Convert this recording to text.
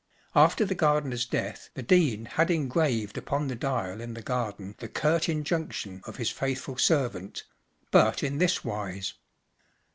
After the gardener's death the Dean had engraved upon the dial in the garden the curt injunction of his faithful servant, but in this wise